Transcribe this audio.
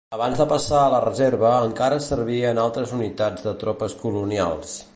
Abans de passar a la reserva encara serví en altres unitats de tropes colonials.